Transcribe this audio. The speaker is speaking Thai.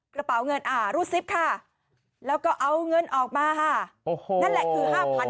กระเป๋าเงินอ่ารูดซิปค่ะแล้วก็เอาเงินออกมาค่ะโอ้โหนั่นแหละคือ๕๐๐บาท